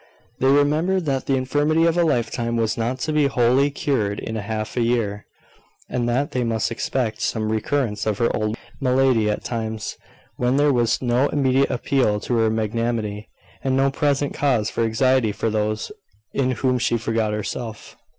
They remembered that the infirmity of a lifetime was not to be wholly cured in half a year; and that they must expect some recurrence of her old malady at times when there was no immediate appeal to her magnanimity, and no present cause for anxiety for those in whom she forgot herself.